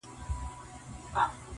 هر څوک هڅه کوي تېر هېر کړي خو نه کيږي,